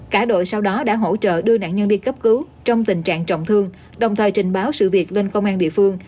cả đội sau đó đã hỗ trợ đưa nạn nhân đi cấp cứu trong tình trạng trọng thương đồng thời trình báo sự việc lên công an địa phương